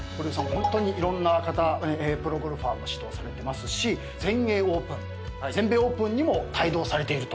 ホントにいろんな方プロゴルファーも指導されてますし全英オープン全米オープンにも帯同されていると。